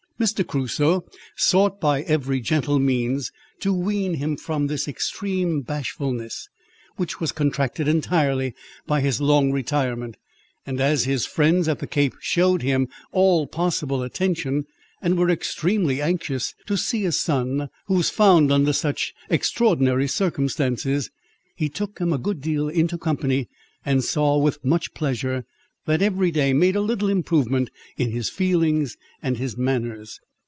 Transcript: Mr. Crusoe sought, by every gentle means, to wean him from this extreme bashfulness, which was contracted entirely by his long retirement; and as his friends at the Cape shewed him all possible attention, and were extremely anxious to see a son who was found under such extraordinary circumstances, he took him a good deal into company, and saw, with much pleasure, that every day made a little improvement in his feelings and his manners.